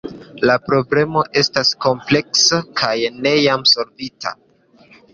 La problemo estas kompleksa kaj ne jam solvita.